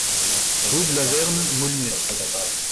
Rue de la Verne, Molinet